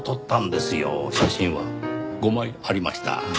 写真は５枚ありました。